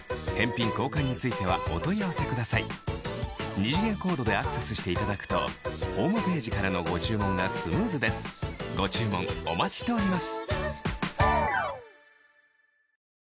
二次元コードでアクセスしていただくとホームページからのご注文がスムーズですご注文お待ちしております